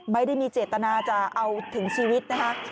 ไม่ได้มีเจตนาจะเอาถึงชีวิตนะคะ